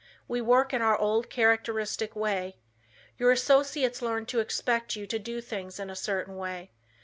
We work in our old characteristic way. Your associates learn to expect you to do things in a certain way.